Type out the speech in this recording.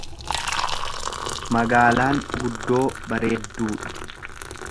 Magaalaan guddoo bareedduu dha.